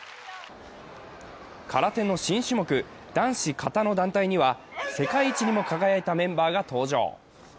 空手の新種目・男子形の団体には世界一にも輝いたメンバーが登場。